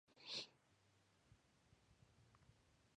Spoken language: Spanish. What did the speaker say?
Su sede central permanece en Columbus.